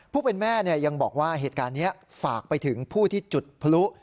ผู้เป็นแม่ยังบอกว่าเหตุการณ์นี้ฝากไปถึงผู้ที่จุดพลุ